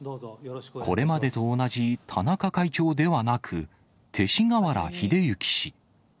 これまでと同じ田中会長ではなく、勅使河原秀行氏。